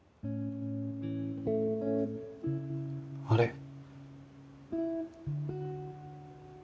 あれ？